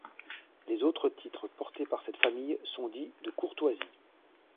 Les autres titres portés par cette famille sont dits de courtoisie.